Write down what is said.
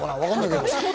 わかんないけど。